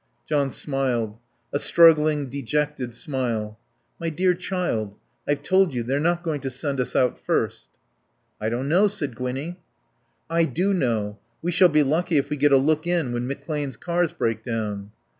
John smiled. A struggling, dejected smile. "My dear child, I've told you they're not going to send us out first." "I don't know " said Gwinnie. "I do know. We shall be lucky if we get a look in when McClane's cars break down."